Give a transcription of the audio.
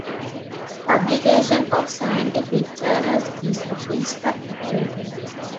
Publication of scientific journals is a principal activity.